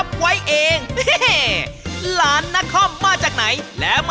ใช่มันโตเป็นสาวแล้ว